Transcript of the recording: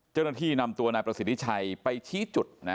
เจ้าหน้าที่นำตัวนายประสิทธิชัยไปชี้จุด